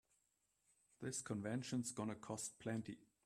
This convention's gonna cost plenty.